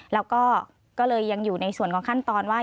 แล้วก็ก็เลยยังอยู่ในส่วนของขั้นตอนว่า